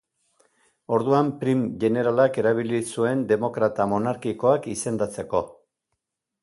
Orduan Prim jeneralak erabili zuen demokrata-monarkikoak izendatzeko.